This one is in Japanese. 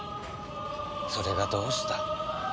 それがどうした？